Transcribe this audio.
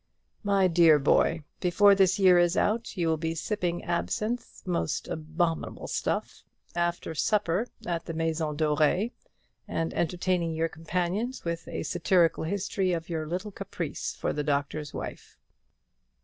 My dear boy, before this year is out, you will be sipping absinthe most abominable stuff! after supper at the Maison Dorée, and entertaining your companions with a satirical history of your little caprice for the Doctor's Wife."